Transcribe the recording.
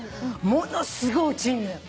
ものすごい落ちるのよ。